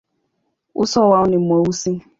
Uso wao ni mweusi.